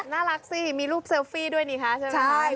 น่ารักสิมีรูปเซลฟี่ด้วยนี่คะใช่ไหม